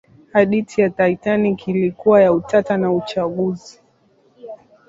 hadithi ya titanic ilikuwa ya utata na uchunguzi